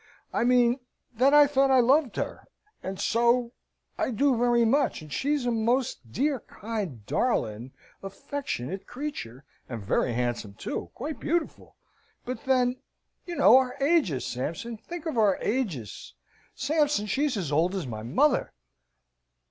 I mean that I thought I loved her, and so I do very much, and she's a most dear, kind, darling, affectionate creature, and very handsome, too, quite beautiful; but then, you know, our ages, Sampson! Think of our ages, Sampson! She's as old as my mother!"